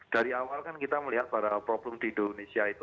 dari awal kan kita melihat para problem di indonesia itu